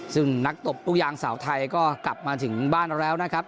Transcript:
ซึ่งนักตบลูกยางสาวไทยก็กลับมาถึงบ้านเราแล้วนะครับ